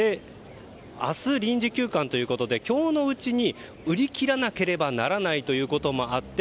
明日、臨時休館ということで今日のうちに売り切らなければならないということもあって